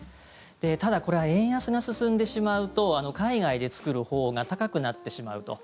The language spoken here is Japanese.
ただ、これは円安が進んでしまうと海外で作るほうが高くなってしまうと。